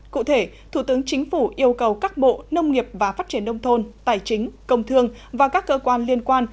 cụ thể thủ tướng chính phủ yêu cầu các bộ nông nghiệp và phát triển nông thôn tài chính công thương và các cơ quan liên quan